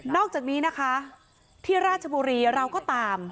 อกจากนี้นะคะที่ราชบุรีเราก็ตาม